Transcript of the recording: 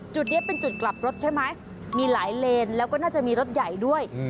จุดนี้เป็นจุดกลับรถใช่ไหมมีหลายเลนแล้วก็น่าจะมีรถใหญ่ด้วย